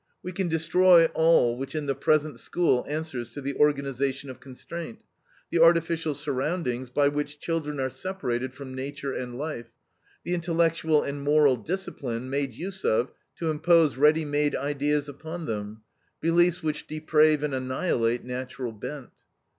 We can destroy all which in the present school answers to the organization of constraint, the artificial surroundings by which children are separated from nature and life, the intellectual and moral discipline made use of to impose ready made ideas upon them, beliefs which deprave and annihilate natural bent.